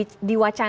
terus apa sih